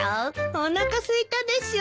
おなかすいたでしょ？